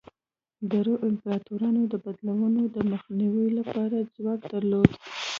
د روم امپراتورانو د بدلونونو د مخنیوي لپاره ځواک درلود.